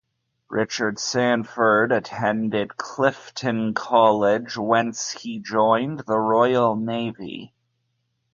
Richard Sandford attended Clifton College whence he joined the Royal Navy.